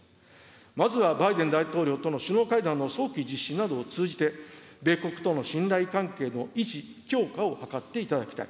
まずはバイデン大統領との首脳会談の早期実施などを通じて、米国との信頼関係の維持・強化を図っていただきたい。